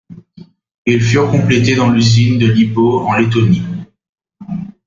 Ils furent complétés dans l'usine de Libau en Lettonie.